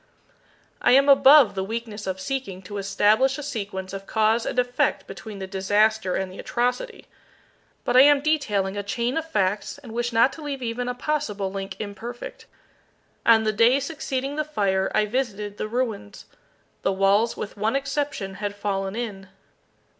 I am above the weakness of seeking to establish a sequence of cause and effect between the disaster and the atrocity. But I am detailing a chain of facts, and wish not to leave even a possible link imperfect. On the day succeeding the fire, I visited the ruins. The walls with one exception had fallen in.